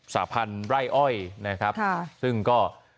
สาพันธ์ไร่อ้อยนะครับซึ่งก็